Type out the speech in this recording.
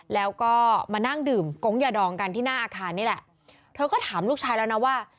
แล้วก็มานั่งดื่มกงยาดองกันที่หน้าอาคารนี่แหละเธอก็ถามลูกชายแล้วนะว่า